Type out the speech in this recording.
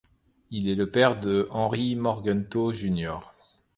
Il est le père de Henry Morgenthau Jr.